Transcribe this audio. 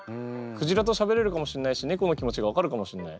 クジラとしゃべれるかもしんないし猫の気持ちが分かるかもしんない。